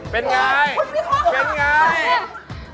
เป็นไง